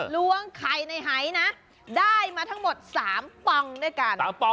ล้วงไข่ในหายนะได้มาทั้งหมด๓ปองด้วยกัน